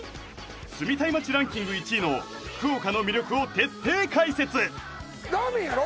住みたい街ランキング１位の福岡の魅力を徹底解説ラーメンやろ？